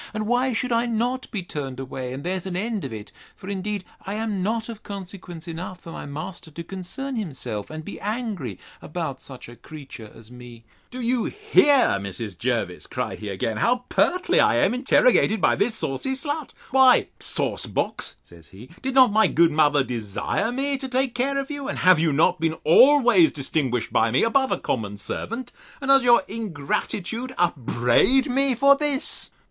and why should I not be turned away, and there's an end of it? For indeed I am not of consequence enough for my master to concern himself, and be angry about such a creature as me. Do you hear, Mrs. Jervis, cried he again, how pertly I am interrogated by this saucy slut? Why, sauce box, says he, did not my good mother desire me to take care of you? And have you not been always distinguished by me, above a common servant? And does your ingratitude upbraid me for this?